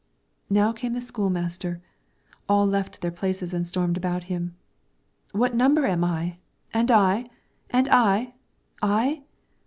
Now came the school master. All left their places and stormed about him. "What number am I?" "And I?" "And I I?"